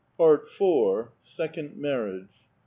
817 PART FOURTH. SECOND MARRIAGE.